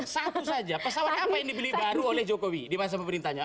satu saja pesawat apa yang dibeli baru oleh jokowi di masa pemerintahnya